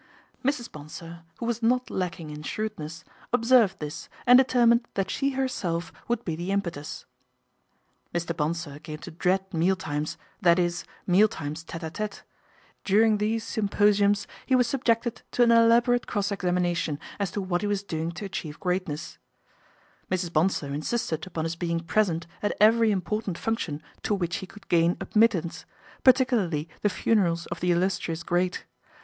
Mrs. Bonsor, who was not lacking in shrewdness, observed this and determined that she herself would be the impetus. Mr. Bonsor came to dread meal times, that is meal times tete d UU. During these symposiums 22 PATRICIA BRENT, SPINSTER he was subjected to an elaborate cross examina tion as to what he was doing to achiev e greatness. Mrs. Bonsor insisted upon his being present at every important function to which he could gain admittance, particularly the funerals of the illus trious great.